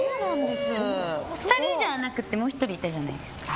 ２人じゃなくてもう１人いたじゃないですか。